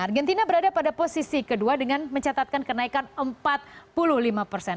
argentina berada pada posisi kedua dengan mencatatkan kenaikan empat puluh lima persen